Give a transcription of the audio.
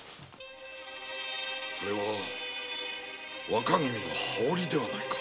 若君の羽織ではないか。